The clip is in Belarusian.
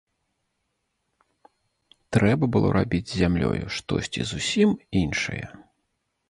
Трэба было рабіць з зямлёю штосьці зусім іншае.